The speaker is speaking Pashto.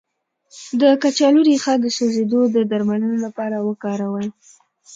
د کچالو ریښه د سوځیدو د درملنې لپاره وکاروئ